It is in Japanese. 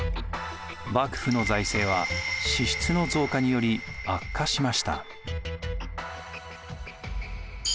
幕府の財政は支出の増加により悪化しました。